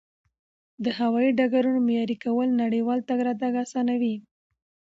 د هوایي ډګرونو معیاري کول نړیوال تګ راتګ اسانوي.